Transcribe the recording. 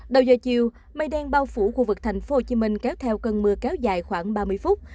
đầu giờ chiều mây đen bao phủ khu vực thành phố hồ chí minh kéo theo cơn mưa kéo dài khoảng ba mươi phút